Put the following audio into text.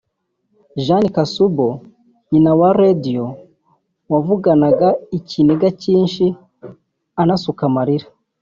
Jane Kasubo nyina wa Radio wavuganaga ikiniga cyinshi anasuka amarira